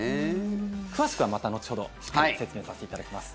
詳しくは、また後ほどしっかり説明させていただきます。